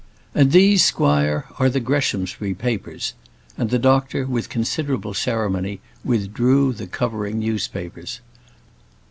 "And these, squire, are the Greshamsbury papers:" and the doctor, with considerable ceremony, withdrew the covering newspapers.